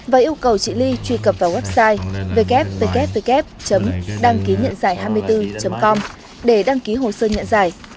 và yêu cầu chị ly truy cập vào website www đăngkínhậndài hai mươi bốn com để đăng ký hồ sơ nhận dài